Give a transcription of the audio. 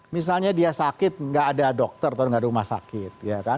misalnya dia sakit nggak ada dokter atau rumah sakit